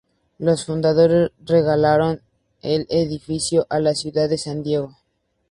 Los fundadores regalaron el edificio a la ciudad de San Diego.